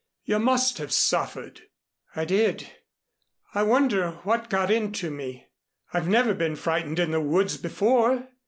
"You must have suffered." "I did I wonder what got into me. I've never been frightened in the woods before."